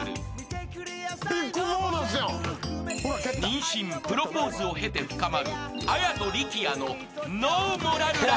［妊娠プロポーズを経て深まる綾と力也の］